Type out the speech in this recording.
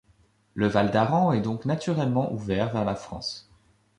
Le Val d’Aran est donc naturellement ouvert vers la France.